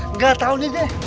nggak tahu nih deh